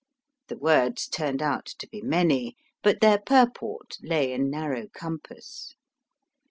The words turned out to be many, but their purport lay in narrow compass.